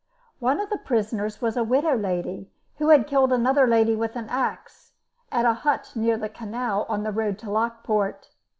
One of the prisoners was a widow lady who had killed another lady with an axe, at a hut near the canal on the road to Lockport.